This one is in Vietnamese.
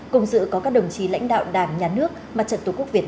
cùng dự có các đồng chí lãnh đạo đảng nhà nước mặt trận tqvn